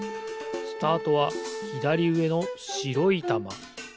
スタートはひだりうえのしろいたま。